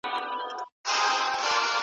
حُسنه! دا عجيبه شانې کور دی لمبې کوي